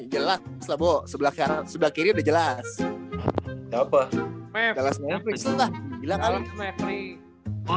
jelas sebelah kiri jelas jelas